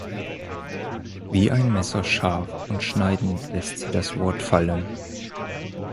Wie ein Messer scharf und schneidend läßt sie das Wort fallen.